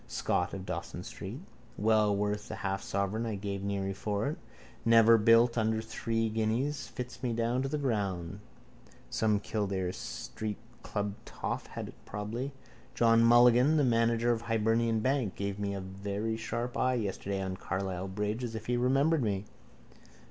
Scott of Dawson street. Well worth the half sovereign I gave Neary for it. Never built under three guineas. Fits me down to the ground. Some Kildare street club toff had it probably. John Mulligan, the manager of the Hibernian bank, gave me a very sharp eye yesterday on Carlisle bridge as if he remembered me.